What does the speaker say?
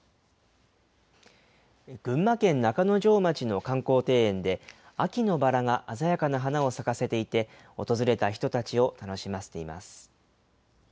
群馬県中之条町の観光庭園で、秋のバラが鮮やかな花を咲かせていて、訪れた人たちを楽しませています。